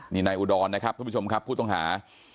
นี่นายอุดรนะครับทุกผู้ชมครับผู้ต้องหา